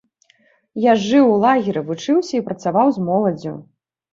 Я ж жыў у лагеры, вучыўся і працаваў з моладдзю.